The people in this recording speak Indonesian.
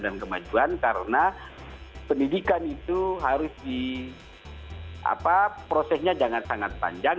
dan kemajuan karena pendidikan itu harus di prosesnya jangan sangat panjang